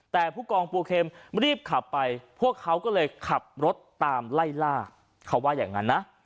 แต่ผู้กองปูเข็มรีบขับไปพวกเขาก็เลยขับรถตามไล่ล่าเขาว่าอย่างนั้นนะ